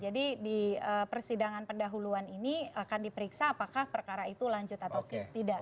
jadi di persidangan pendahuluan ini akan diperiksa apakah perkara itu lanjut atau tidak